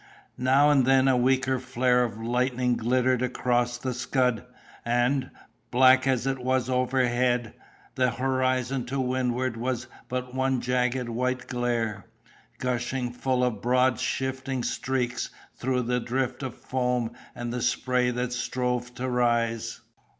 Now and then a weaker flare of lightning glittered across the scud; and, black as it was overhead, the horizon to windward was but one jagged white glare, gushing full of broad shifting streaks through the drift of foam and the spray that strove to rise.